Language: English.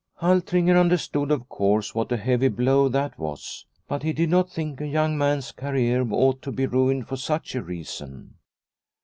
Altringer understood, of course, what a heavy blow that was, but he did not think a young man's career ought to be ruined for such a reason.